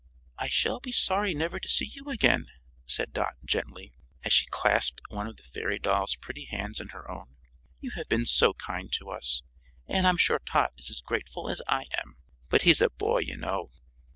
"I shall be sorry never to see you again," said Dot, gently, as she clasped one of the fairy doll's pretty hands in her own. "You have been so kind to us, and I'm sure Tot is as grateful as I am. But he's a boy, you know."